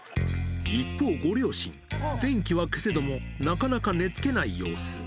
一方、ご両親、電気は消せども、なかなか寝つけない様子。